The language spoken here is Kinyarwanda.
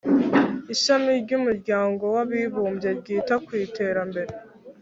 ishami ry'umuryango w'abibumbye ryita ku iterambere